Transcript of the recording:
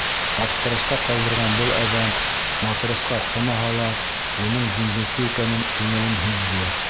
Аптырашта ҡалдырған был әҙәм матросҡа оҡшамаһа ла, уның диңгеҙсе икәнен күңелем һиҙҙе.